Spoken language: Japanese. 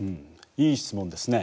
いい質問ですね。